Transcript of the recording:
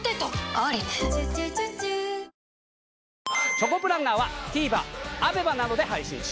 『チョコプランナー』はＴＶｅｒＡＢＥＭＡなどで配信中。